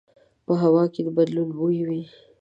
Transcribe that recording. په هوا کې د بدلون بوی وي